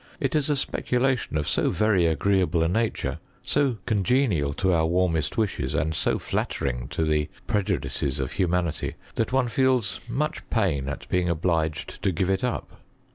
It is a speculation of so very agreeable a nature, so congeniaJ to our warmest wishes, and so flattering to the prejudices of hu manity, that one feels much pain at being obliged to give It up.